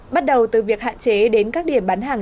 bắt đầu từ việc hạn chế đến các điểm bán hàng